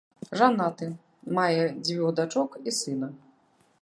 Жанаты, мае дзвюх дачок і сына.